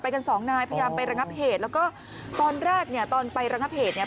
กันสองนายพยายามไประงับเหตุแล้วก็ตอนแรกเนี่ยตอนไประงับเหตุเนี่ย